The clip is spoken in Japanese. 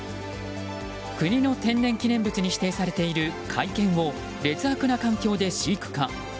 国の天然記念物に指定されている甲斐犬を劣悪な環境で飼育か。